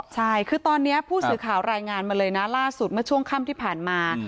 ใช่คือตอนนี้ผู้สื่อข่าวรายงานมาเลยนะล่าสุดเมื่อช่วงค่ำที่ผ่านมา